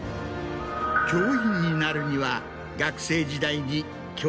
教員になるには。